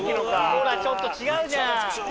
ほらちょっと違うじゃん。